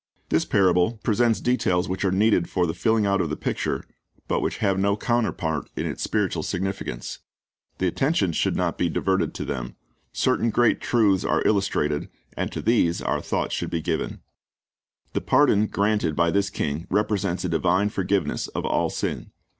This parable presents details which are needed for the filling out of the picture, but which have no counterpart in its spiritual significance. The attention should not be diverted to them. Certain great truths are illustrated, and to these our thought should be given. The pardon granted by this king represents a divine forgiveness of all sin.